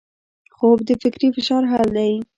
خوب د فکري فشار حل دی